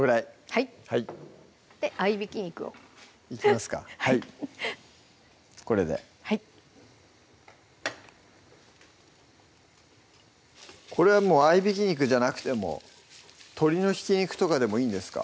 はい合いびき肉をいきますかはいこれではいこれはもう合いびき肉じゃなくても鶏のひき肉とかでもいいんですか？